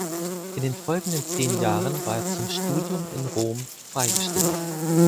In den folgenden zehn Jahren war er zum Studium in Rom freigestellt.